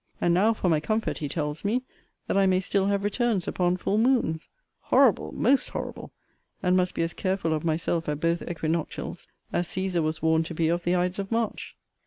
And now, for my comfort, he tells me, that I may still have returns upon full moons horrible! most horrible! and must be as careful of myself at both equinoctials, as Cæsar was warned to be of the Ides of March.